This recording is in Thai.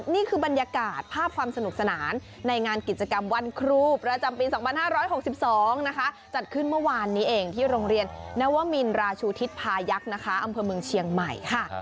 นี่คือบรรยากาศภาพความสนุกสนานในงานกิจกรรมวันครูประจำปี๒๕๖๒นะคะจัดขึ้นเมื่อวานนี้เองที่โรงเรียนนวมินราชูทิศพายักษ์นะคะอำเภอเมืองเชียงใหม่ค่ะ